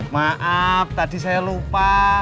maaf tadi saya lupa